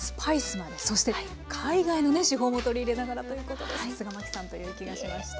そして海外のね手法も取り入れながらということでさすが麻紀さんという気がしました。